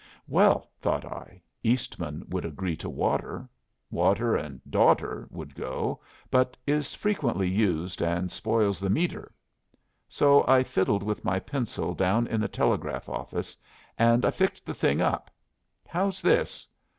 'Well,' thought I, 'Eastman would agree to water. Water and daughter would go, but is frequently used, and spoils the meter.' So I fiddled with my pencil down in the telegraph office, and I fixed the thing up. How's this?